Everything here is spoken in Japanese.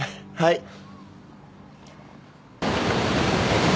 はい。